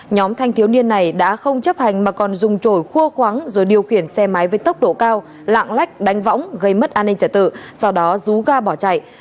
nhóm thanh thiếu niên này đã không chấp hành mà còn dùng trổi khua khoáng rồi điều khiển xe máy với tốc độ cao lạng lách đánh võng gây mất an ninh trả tự sau đó rú ga bỏ chạy